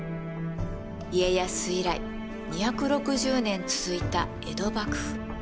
家康以来２６０年続いた江戸幕府。